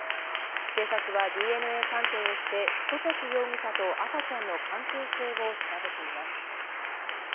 警察はＤＮＡ鑑定をして、小関容疑者と赤ちゃんの関係性を調べています。